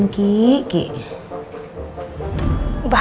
kakaknya udah kebun